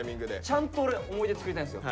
ちゃんと俺思い出作りたいんですよ。